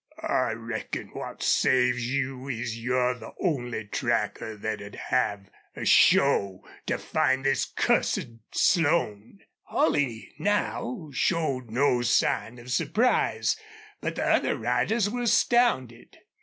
"I reckon what saves you is you're the only tracker thet'd have a show to find this cussed Slone." Holley now showed no sign of surprise, but the other riders were astounded.